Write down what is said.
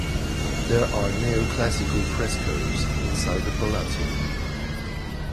There are neoclassical frescoes inside the palazzo.